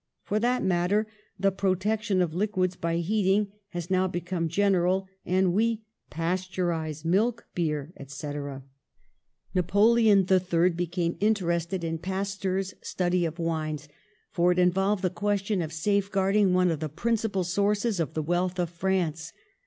For that mat ter the protection of liquids by heating has now become general and we pasteurise milk, beer, etc. Napoleon III became interested in Pasteur's study of wines, for it involved the question of safeguarding one of the principal sources of the wealth of France.